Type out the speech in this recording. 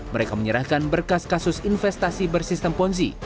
mereka menyerahkan berkas kasus investasi bersistem ponzi